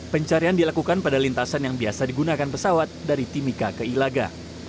pencarian dilakukan pada lintasan yang biasa digunakan pesawat dari timika ke ilaga